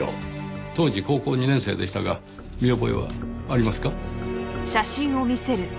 当時高校２年生でしたが見覚えはありますか？